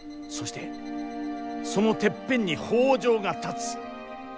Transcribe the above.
そしてそのてっぺんに北条が立つ。